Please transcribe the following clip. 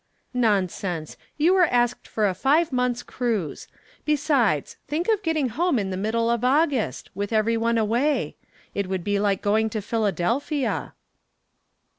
"Nonsense; you were asked for a five months' cruise. Besides, think of getting home in the middle of August, with every one away. It would be like going to Philadelphia."